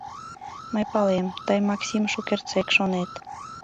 Мый палем: тый Максим шукертсек шонет...